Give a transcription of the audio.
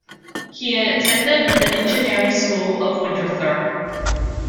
He attended the Engineering School of Winterthur.